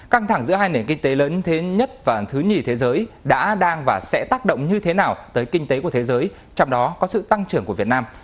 căng thẳng giữa hai nền kinh tế lớn thế nhất và thứ nhì thế giới đã đang và sẽ tác động như thế nào tới kinh tế của thế giới trong đó có sự tăng trưởng của việt nam